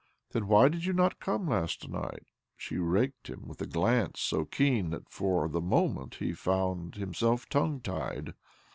" Then why did you not come last night ?" She raked him with a glance so keen that for the moment he found himself tongue tied.